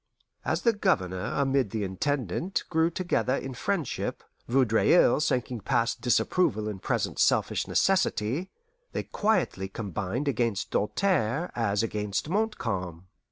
As the Governor amid the Intendant grew together in friendship, Vaudreuil sinking past disapproval in present selfish necessity, they quietly combined against Doltaire as against Montcalm.